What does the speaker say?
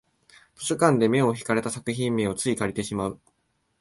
図書館で目を引かれた作品名をつい借りてしまう